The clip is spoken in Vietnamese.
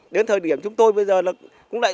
đến thời điểm chúng tôi bây giờ là